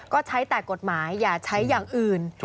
ก็ใช้แต่กฎหมายอย่าใช้อย่างอื่น